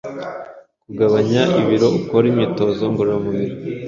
kugabanya ibiro ukora imyitozo ngororamubiri